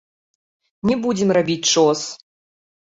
Не будзем рабіць чос!